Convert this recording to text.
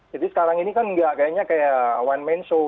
jadi sekarang ini kan kayaknya nggak kayak one man show